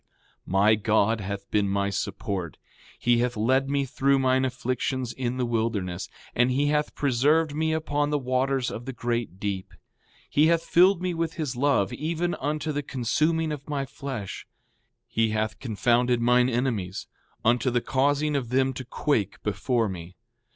4:20 My God hath been my support; he hath led me through mine afflictions in the wilderness; and he hath preserved me upon the waters of the great deep. 4:21 He hath filled me with his love, even unto the consuming of my flesh. 4:22 He hath confounded mine enemies, unto the causing of them to quake before me.